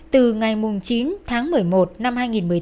từ ngày chín tháng một mươi một năm hai nghìn một mươi chín